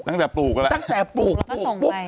ตั้งแต่ปลูกก็แหละปลูกแล้วก็ส่งไปปุ๊บปุ๊บ